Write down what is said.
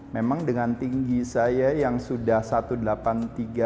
memang dengan tinggi saya yang sudah satu ratus delapan puluh tiga cm